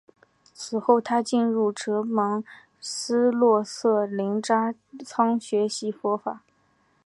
此后他进入哲蚌寺洛色林扎仓学习佛法。